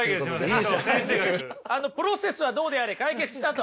あのプロセスはどうであれ解決したと。